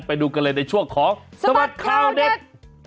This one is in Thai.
ไปดูกันเลยในช่วงของสบัดข่าวเด็ด